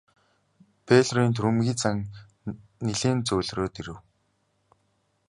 Бэйлорын түрэмгий зан нилээн зөөлрөөд ирэв.